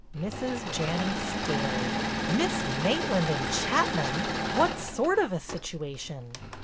Mrs. Janney stared: "Miss Maitland and Chapman! What sort of a situation?"